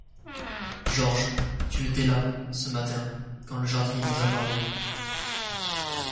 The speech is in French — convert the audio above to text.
Georges, tu étais là, ce matin, quand le jardinier nous a parlé.